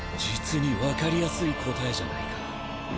実にわかりやすい答えじゃないか。